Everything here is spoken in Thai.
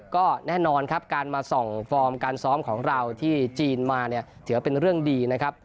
ก็แน่นอนครับการมาส่องฟอร์มการซ้อมของเราที่จีนมาเนี่ยถือว่าเป็นเรื่องดีนะครับ